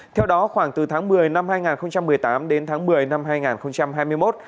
theo đó khoảng từ tháng một mươi năm hai nghìn một mươi tám đến tháng một mươi năm hai nghìn hai mươi một